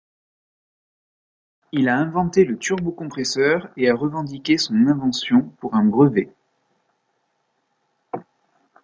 Il a inventé le turbocompresseur et a revendiqué son invention pour un brevet.